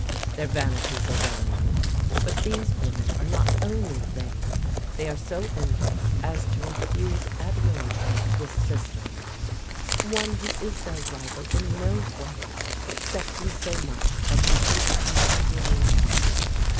Their vanities are well enough, but these women are not only vain, they are so envious as to refuse admiration to a sister in law one who is their rival in no way except in so much as she is a contemporary beauty.